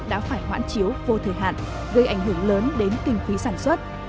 đã phải hoãn chiếu vô thời hạn gây ảnh hưởng lớn đến kinh phí sản xuất